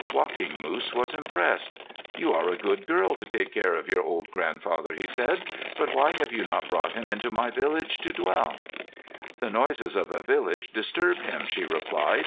Walking Moose was impressed. "You are a good girl to take such care of your old grandfather," he said. "But why have you not brought him into my village to dwell?" "The noises of a village disturb him," she replied.